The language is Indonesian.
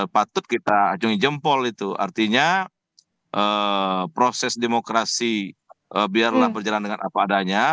patut kita acungi jempol itu artinya proses demokrasi biarlah berjalan dengan apa adanya